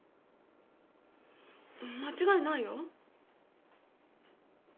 間違いないよ。